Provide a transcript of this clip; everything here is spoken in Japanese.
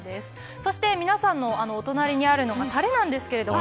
そして皆さんのお隣にあるのがたれなんですけれども。